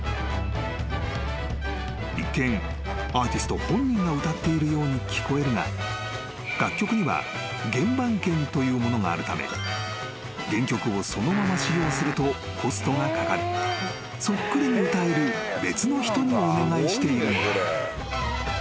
［一見アーティスト本人が歌っているように聞こえるが楽曲には原盤権というものがあるため原曲をそのまま使用するとコストがかかりそっくりに歌える別の人にお願いしているのだ］